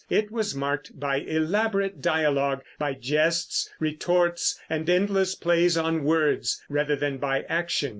It was marked by elaborate dialogue, by jests, retorts, and endless plays on words, rather than by action.